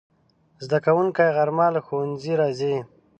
زدهکوونکي غرمه له ښوونځي راځي